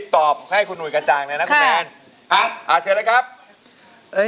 นะฮะโอ้โหคุณหนุ่ยมั่นใจเลยทีนี้๑๐๐ไหม